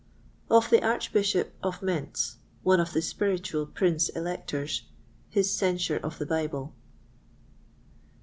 Of the Archbishop of Mentz, one of the Spiritual Princes Electors, his Censure of the Bible.